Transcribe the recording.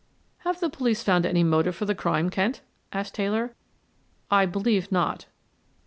"Have the police found any motive for the crime, Kent?" asked Taylor. "I believe not."